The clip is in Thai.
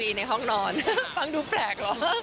ในห้องนอนฟังดูแปลกเหรอ